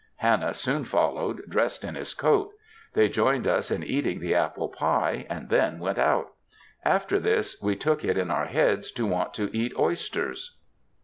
Hannah soon followed dressed in his coat. They joined us in eating the apple pye, and then went out. After this we took it in our heads to want to eat oysters.